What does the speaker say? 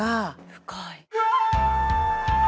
深い。